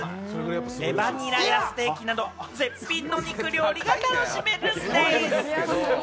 レバニラやステーキなど絶品な肉料理が楽しめるんでぃす。